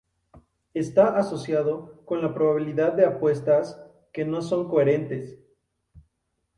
Está asociado con la probabilidad de apuestas que no son coherentes.